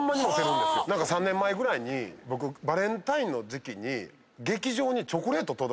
３年前ぐらいに僕バレンタインの時期に劇場に。